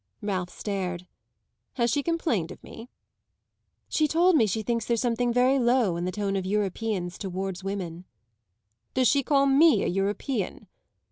Ralph stared. "Has she complained of me?" "She told me she thinks there's something very low in the tone of Europeans towards women." "Does she call me a European?"